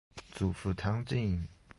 祖父汤敬。